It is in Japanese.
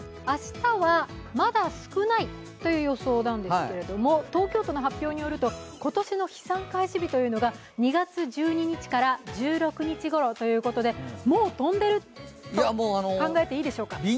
明日はまだ少ないという予想なんですけれども、東京都の発表によると今年の飛散開始日というのが２月１２日から１６日ごろということでもう飛んでいると考えていいでしょうか？